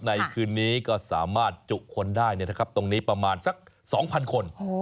ในคืนนี้ก็สามารถจุคนได้ตรงนี้ประมาณสัก๒๐๐คน